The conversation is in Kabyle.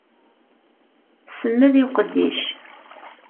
Semmed i uqeddic.